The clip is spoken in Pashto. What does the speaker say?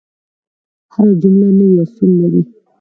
هره جمله نحوي اصول لري.